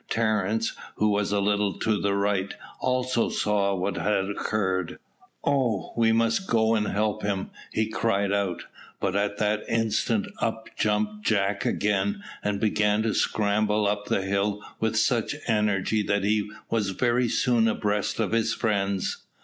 Terence, who was a little to the right, also saw what had occurred. "Oh, we must go and help him," he cried out; but at that instant up jumped Jack again, and began to scramble up the hill with such energy that he was very soon abreast of his friends.